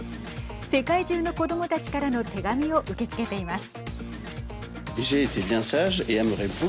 世界中の子どもたちからの手紙を受け付けています。